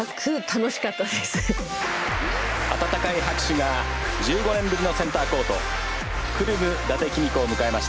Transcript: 温かい拍手が１５年ぶりのセンターコートクルム伊達公子を迎えました。